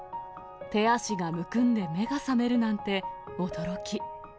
手足がむくんで目が覚めるなんて驚き。